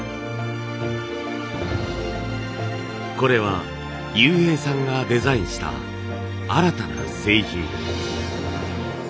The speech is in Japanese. これは悠平さんがデザインした新たな製品。